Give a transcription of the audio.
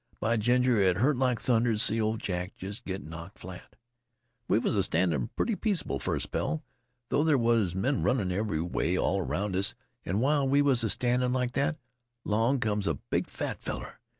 By ginger, it hurt like thunder t' see ol' Jack jest git knocked flat. We was a standin' purty peaceable fer a spell, 'though there was men runnin' ev'ry way all 'round us, an' while we was a standin' like that, 'long come a big fat feller.